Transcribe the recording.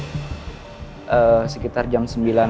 mereka bakal mengisi mobil saya